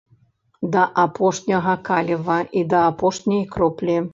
Да апошняга каліва і да апошняй кроплі.